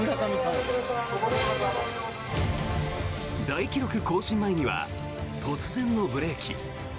大記録更新前には突然のブレーキ。